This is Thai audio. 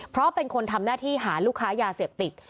เพราะเป็นคนทำหน้าที่หาลูกค้ายาเสพติด